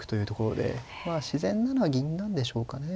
自然なのは銀なんでしょうかね。